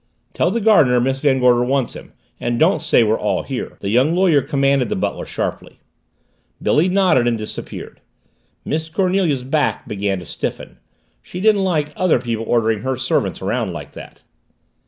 "Tell the gardener Miss Van Gorder wants him and don't say we're all here," the young lawyer commanded the butler sharply. Billy nodded and disappeared. Miss Cornelia's back began to stiffen she didn't like other people ordering her servants around like that.